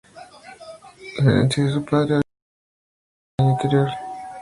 La herencia de su padre había pasado a sus manos el año anterior.